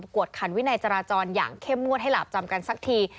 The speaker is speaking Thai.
วดขันวินัยจราจรอย่างเข้มงวดให้หลาบจำกันสักที